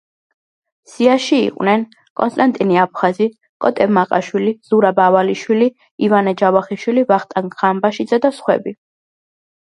სიაში იყვნენ: კონსტანტინე აფხაზი, კოტე მაყაშვილი, ზურაბ ავალიშვილი, ივანე ჯავახიშვილი, ვახტანგ ღამბაშიძე და სხვები.